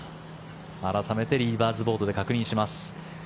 改めてリーダーズボードで確認します。